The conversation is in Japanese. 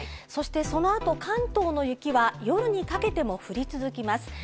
そして、そのあと、関東の雪は夜にかけても降り続きます。